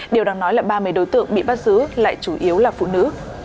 điều đang nói là ba mươi đối tượng bị bắt giữ lại chủ yếu là phụ nữ